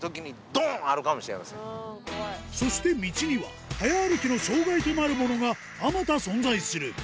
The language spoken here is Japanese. そして道には早歩きの障害となるものがあまた存在する